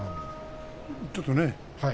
ちょっとね。